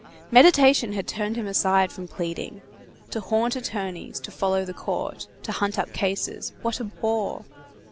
Meditation had turned him aside from pleading. To haunt attorneys, to follow the court, to hunt up cases—what a bore!